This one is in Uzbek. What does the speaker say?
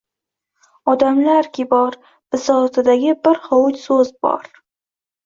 Odamlarki bor, bisotidagi bir hovuch so‘z bor.